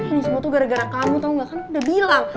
ini semua tuh gara gara kamu tau gak kan udah bilang